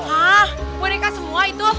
hah boneka semua itu